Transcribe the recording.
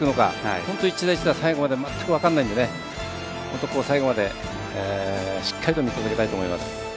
本当に１打１打最後まで分からないので本当に最後までしっかりと見届けたいと思います。